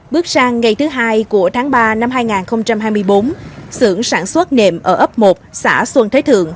bước sang ngày thứ hai của tháng ba năm hai nghìn hai mươi bốn xưởng sản xuất nệm ở ấp một xã xuân thế thượng